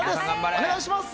お願いします。